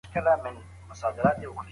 د بیو کنټرول کله ناکله اړین وي.